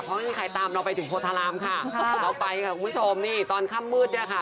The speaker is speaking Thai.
เพราะไม่มีใครตามเราไปถึงโพธารามค่ะเราไปค่ะคุณผู้ชมนี่ตอนค่ำมืดเนี่ยค่ะ